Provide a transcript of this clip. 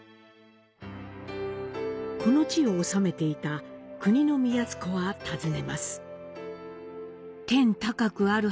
この地を治めていた国造は尋ねます。